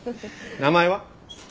名前は？